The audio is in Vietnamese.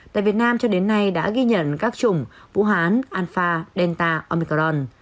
tại việt nam cho đến nay đã ghi nhận các chủng vũ hán alpha delta omicron